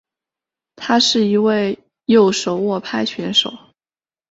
他是一位右手握拍选手。